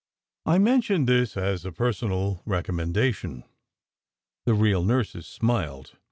I mentioned this as a personal recommendation; the real nurses smiled.